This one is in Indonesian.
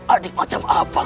adik macam apa